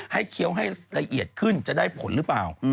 เคี้ยวให้ละเอียดขึ้นจะได้ผลหรือเปล่า